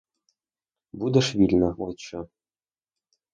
Будеш вільна, — от що!